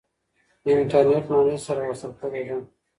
انټرنیټ نړۍ سره وصل کړې ده.